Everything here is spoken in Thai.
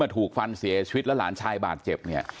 ถูกฟันเสียชีวิตแล้วหลานชายบาดเจ็บเนี่ย